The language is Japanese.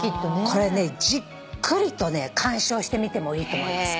これねじっくりとね鑑賞してみてもいいと思います。